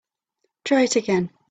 Try it again.